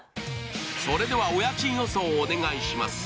それではお家賃予想をお願いします。